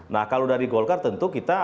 nah kalau dari golkar tentu kita